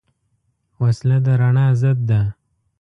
وسله د رڼا ضد ده